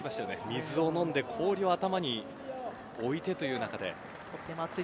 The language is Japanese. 水を飲んで氷を頭に置いてという中で。